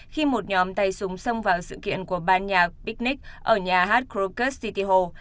khi một nhóm tay súng xông vào sự kiện của ban nhà picnic ở nhà hát crocus city hall